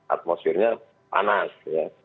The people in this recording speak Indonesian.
atmosfernya panas ya